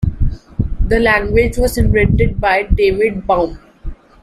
The language was invented by David Baum.